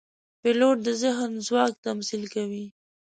پیلوټ د ذهن ځواک تمثیل کوي.